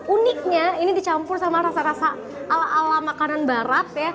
uniknya ini dicampur sama rasa rasa ala ala makanan barat ya